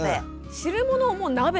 汁物はもう鍋と。